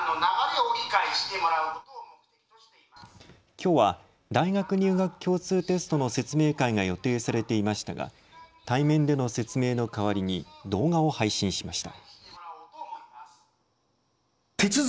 きょうは大学入学共通テストの説明会が予定されていましたが対面での説明の代わりに動画を配信しました。